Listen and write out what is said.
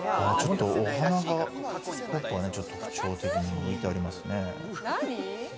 お花がちょっと特徴的に置いてありますね。